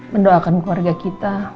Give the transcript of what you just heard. mendoakan keluarga kita